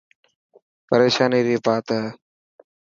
پريشاني ري بات هي.